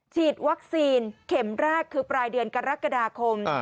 ฉีดวัคซีนเข็มแรกคือปลายเดือนกรกฎาคม